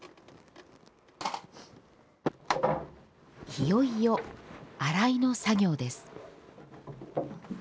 いよいよ洗いの作業です。